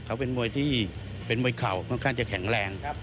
เขาเป็นมวยที่เป็นมวยเข่าค่อนข้างจะแข็งแรง